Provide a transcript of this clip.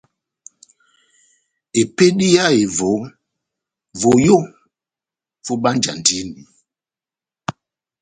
Epédi yá ehevo, voyó vobánjandini.